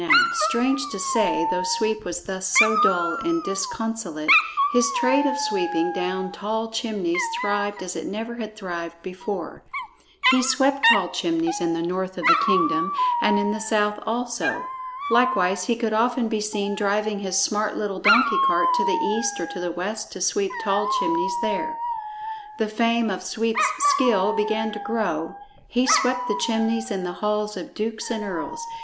Now, strange to say, though Sweep was thus so dull and disconsolate, his trade of sweeping down tall chimneys thrived as it never had thrived before. He swept tall chimneys in the north of the kingdom, and in the south also. Likewise he could often be seen driving his smart little donkey cart to the east or to the west to sweep tall chimneys there. The fame of Sweep's skill began to grow; he swept the chimneys in the halls of dukes and earls.